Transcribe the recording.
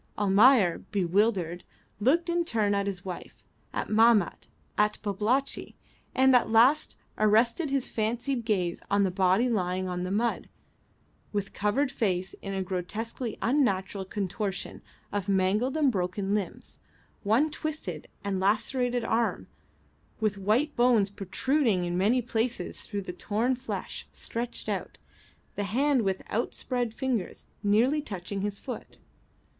Almayer, bewildered, looked in turn at his wife, at Mahmat, at Babalatchi, and at last arrested his fascinated gaze on the body lying on the mud with covered face in a grotesquely unnatural contortion of mangled and broken limbs, one twisted and lacerated arm, with white bones protruding in many places through the torn flesh, stretched out; the hand with outspread fingers nearly touching his foot.